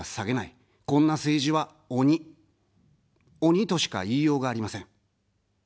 こんな政治は鬼、鬼としか言いようがありません。